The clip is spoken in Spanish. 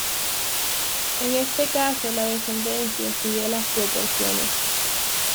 En este caso la descendencia sigue las proporciones.